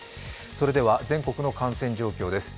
それでは全国の感染状況です。